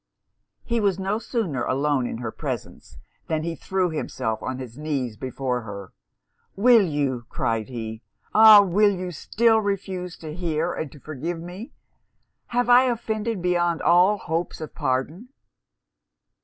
He was no sooner alone in her presence, than he threw himself on his knees before her 'Will you,' cried he, 'ah! will you still refuse to hear and to forgive me? Have I offended beyond all hopes of pardon?'